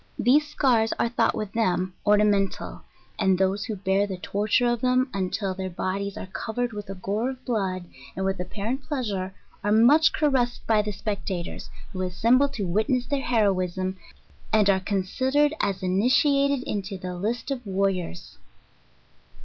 These Bears are thought with them ornamen tal, and those who bear the torture of them until their bod ides are covered with a gore of blood, and with apparent pleasure, are much caressed by the spectaters, who assemble to witness their heroism, and are considered as initiated in into the list of warriors.